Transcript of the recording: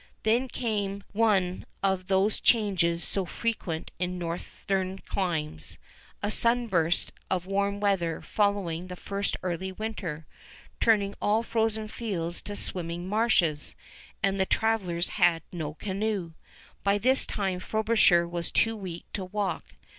Then came one of those changes so frequent in northern climes, a sunburst of warm weather following the first early winter, turning all the frozen fields to swimming marshes, and the travelers had no canoe. By this time Frobisher was too weak to walk.